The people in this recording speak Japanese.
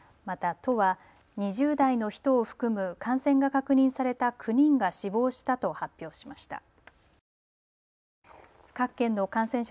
また都は２０代の人を含む感染が確認された９人が死亡したと発表しました。